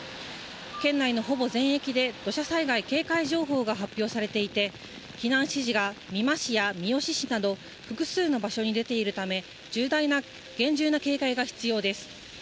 県内のほぼ全域で土砂災害警戒情報が発表されていて、避難指示が美馬市や三好市など複数の場所に出ているため、重大な厳重な警戒が必要です。